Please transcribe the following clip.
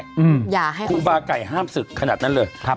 อย่าให้ครูบาไก่ห้ามศึกขนาดนั้นเลยครับ